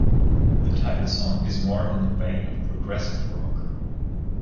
The title song is more in the vein of progressive rock.